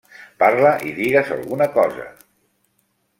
Parla i digues alguna cosa.